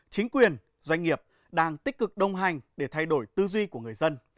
chính quyền doanh nghiệp đang tích cực đồng hành để thay đổi tư duy của người dân